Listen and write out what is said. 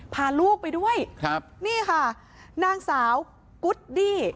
พาลูกไปด้วยครับนี่ค่ะนางสาวกุดดี้